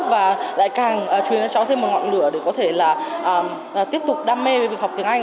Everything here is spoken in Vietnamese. và lại càng truyền cho cháu thêm một ngọn lửa để có thể là tiếp tục đam mê với việc học tiếng anh